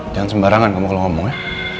jangan sembarangan kamu kalau ngomong ya